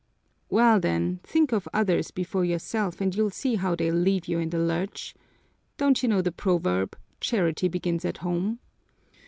"Well then, think of others before yourself and you'll see how they'll leave you in the lurch. Don't you know the proverb, 'Charity begins at home'?"